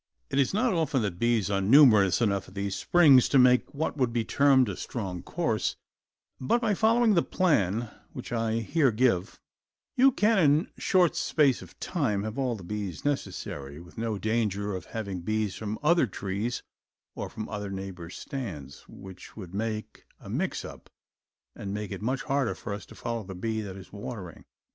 It is not often that bees are numerous enough at these springs to make what would be termed a strong course, but by following the plan which I here give, you can, in a short space of time, have all the bees necessary, with no danger of having bees from other trees or from our neighbors' stands, which would make a mix up, and make it much harder for us to follow the bee that is watering.